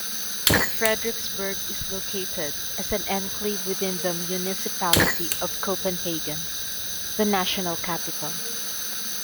Frederiksberg is located as an enclave within the municipality of Copenhagen, the national capital.